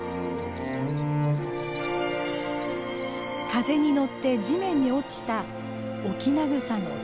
風に乗って地面に落ちたオキナグサの種。